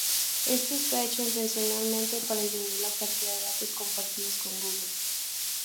Esto está hecho intencionadamente para disminuir la cantidad de datos compartidos con Google.